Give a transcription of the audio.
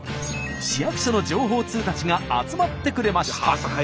市役所の情報通たちが集まってくれました。